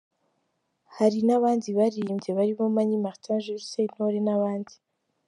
Hari n’abandi baririmbye barimo Mani Martin, Jules Sentore n’abandi.